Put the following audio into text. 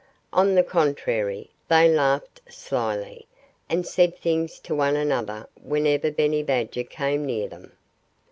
On the contrary, they laughed slyly, and said things to one another whenever Benny Badger came near them.